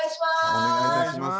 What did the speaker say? お願い致します。